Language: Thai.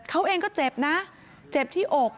เขาเองก็เจ็บนะเจ็บที่อก